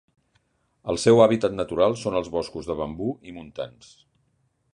El seu hàbitat natural són els boscos de bambú i montans.